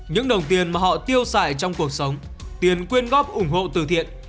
những đồng tiền mà họ tiêu xài trong cuộc sống tiền quyên góp ủng hộ từ thiện